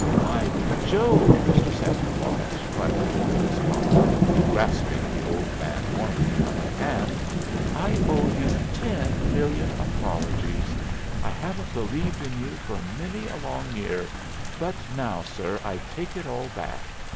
"By Jove, Mr. Santa Claus," cried Little Billee's papa, grasping the old man warmly by the hand, "I owe you ten million apologies! I haven't believed in you for many a long year; but now, sir, I take it all back.